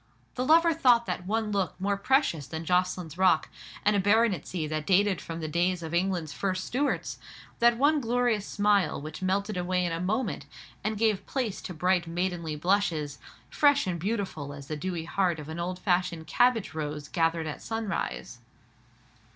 The lover thought that one look more precious than Jocelyn's Rock, and a baronetcy that dated from the days of England's first Stuarts—that one glorious smile, which melted away in a moment, and gave place to bright maidenly blushes, fresh and beautiful as the dewy heart of an old fashioned cabbage rose gathered at sunrise.